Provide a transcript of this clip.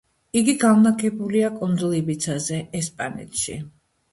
იგი განლაგებულია კუნძულ იბიცაზე, ესპანეთში.